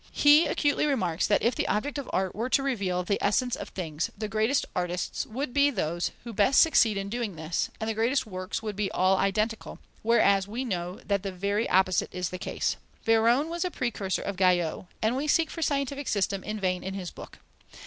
He acutely remarks that if the object of art were to reveal the essence of things, the greatest artists would be those who best succeeded in doing this, and the greatest works would all be identical; whereas we know that the very opposite is the case. Véron was a precursor of Guyau, and we seek for scientific system in vain in his book.